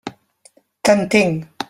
T'entenc.